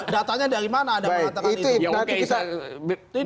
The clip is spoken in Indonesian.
datanya dari mana ada peratakan itu